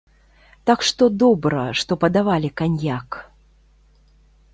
Так што, добра, што падавалі каньяк!